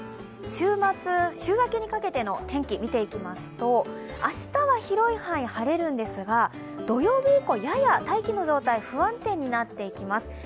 週明けにかけての天気を見ていくと明日は広い範囲、晴れるんですが、土曜日以降、やや大気の状態不安定になっていきます。